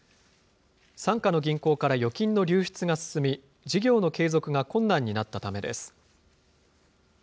傘下の銀行から預金の流出が進み、事業の継続が困難になったためです。